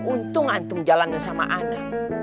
untung antum jalanin sama ana